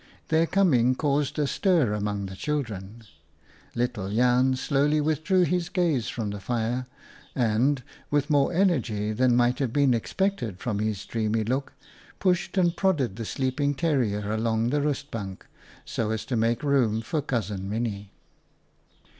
Their coming caused a stir among the children. Little Jan slowly withdrew his gaze from the fire, and, with more energy than might have been expected from his dreamy look, pushed and prodded the sleep ing terrier along the rustbank so as to make room for Cousin Minnie.